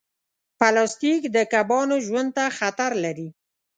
پلاستيک د کبانو ژوند ته خطر لري.